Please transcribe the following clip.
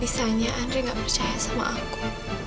bisa bisanya andre gak percaya sama aku